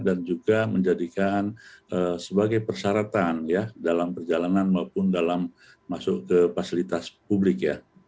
dan juga menjadikan sebagai persyaratan dalam perjalanan maupun dalam masuk ke fasilitas publik